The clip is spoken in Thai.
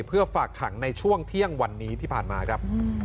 เพื่อฝากขังในช่วงเที่ยงวันนี้ที่ผ่านมาครับ